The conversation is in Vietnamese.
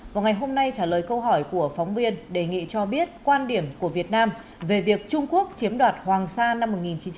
vào ngày hôm nay trả lời câu hỏi của phóng viên đề nghị cho biết quan điểm của việt nam về việc trung quốc chiếm đoạt hoàng sa năm một nghìn chín trăm bảy mươi